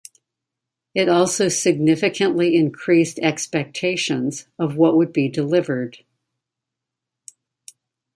It also significantly increased expectations of what would be delivered.